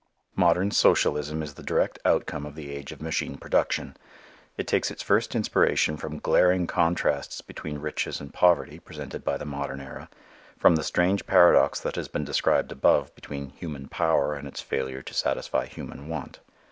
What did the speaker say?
Modern socialism is the direct outcome of the age of machine production. It takes its first inspiration from glaring contrasts between riches and poverty presented by the modern era, from the strange paradox that has been described above between human power and its failure to satisfy human want.